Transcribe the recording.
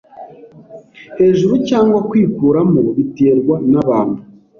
hejuru cyangwa kwikuramo biterwa nabantu